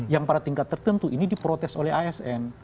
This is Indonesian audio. yang pada tingkat tertentu ini diprotes oleh asn